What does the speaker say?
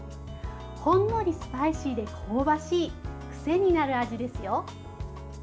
ほんのりスパイシーで香ばしい癖になる味ですよ。